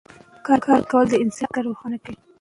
الفا اکتینین درې ته د چټکتیا جین هم وايي.